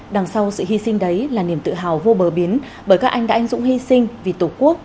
đằng sau sự hy sinh đấy là niềm tự hào vô bờ bến bởi các anh đã anh dũng hy sinh vì tổ quốc